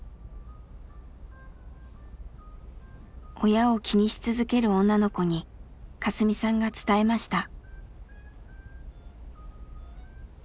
親を気にし続ける女の子にカスミさんが伝えました。